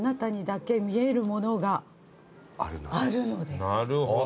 なるほど。